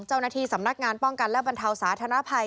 เจ้าหน้าที่สำนักงานป้องกันและบรรเทาสาธารณภัย